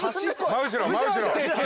真後ろ真後ろ。